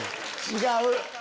違う！